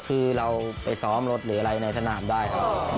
คือเราไปซ้อมรถหรืออะไรในสนามได้ครับ